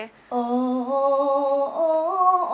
โอ้ละเนอเอ่อน้องพร